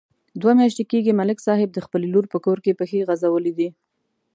دوه میاشتې کېږي، ملک صاحب د خپلې لور په کور کې پښې غځولې دي.